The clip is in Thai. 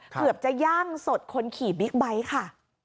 เกือบจะย่างสดคนขี่บิ๊กไบท์ค่ะ